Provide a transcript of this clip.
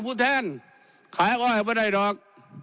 ผู้แทนขายอ้อยไม่ได้ดอก